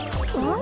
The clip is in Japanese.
ん？